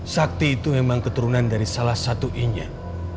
sakti itu memang keturunan dari salah satu enya